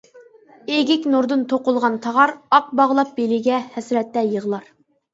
‹ ‹ئېگىك نۇردىن توقۇلغان تاغار› › ئاق باغلاپ بېلىگە، ھەسرەتتە يىغلار.